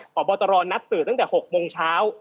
พบตรนัดสื่อตั้งแต่๖โมงเช้า